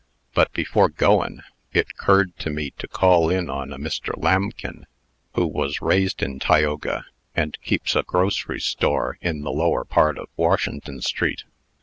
But, before goin', it 'curred to me to call on a Mr. Lambkin, who was raised in Tioga, and keeps a grocery store in the lower part of Washington street.